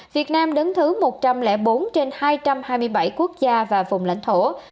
việt nam đứng thứ một trăm linh bốn trên hai trăm hai mươi bảy quốc gia và vùng lãnh thổ